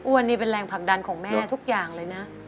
นี่เป็นแรงผลักดันของแม่ทุกอย่างเลยนะ